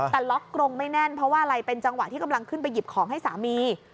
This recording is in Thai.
แต่ล็อกกรงไม่แน่นเพราะว่าอะไรเป็นจังหวะที่กำลังขึ้นไปหยิบของให้สามี